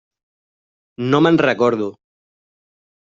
No me'n recordo.